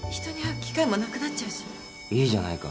いいじゃないか。